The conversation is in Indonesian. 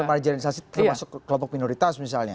marginisasi termasuk kelompok minoritas misalnya